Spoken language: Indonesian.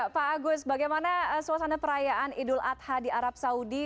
pak agus bagaimana suasana perayaan idul adha di arab saudi